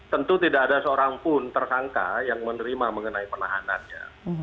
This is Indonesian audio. tentu tidak ada seorang pun tersangka yang menerima mengenai penahanannya